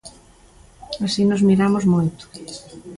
Así nos miramos moito.